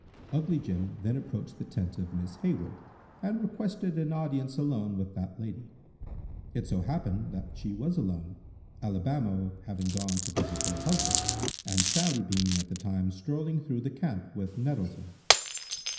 Ugly Jim then approached the tent of Miss Hayward, and requested an audience alone with that lady. It so happened that she was alone, Alibamo having gone to visit her husband, and Sally being at the time strolling through the camp with Nettleton.